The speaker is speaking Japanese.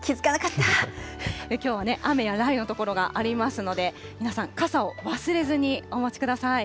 きょうはね、雨や雷雨の所がありますので、皆さん、傘を忘れずにお持ちください。